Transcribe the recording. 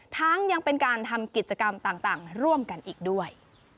ยังเป็นการทำกิจกรรมต่างร่วมกันอีกด้วย